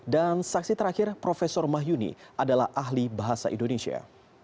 dan saksi terakhir profesor mahyuni adalah ahli bahasa indonesia